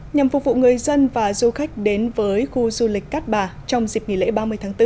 nhằm phục vụ người dân và du khách đến với khu du lịch cát bà trong dịp nghỉ lễ ba mươi tháng bốn